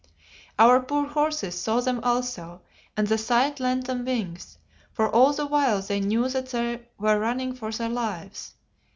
Our poor horses saw them also, and the sight lent them wings, for all the while they knew that they were running for their lives.